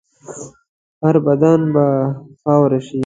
هر بدن به خاوره شي.